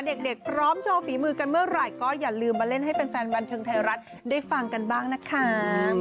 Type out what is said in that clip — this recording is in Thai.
เด็กพร้อมโชว์ฝีมือกันเมื่อไหร่ก็อย่าลืมมาเล่นให้แฟนบันเทิงไทยรัฐได้ฟังกันบ้างนะคะ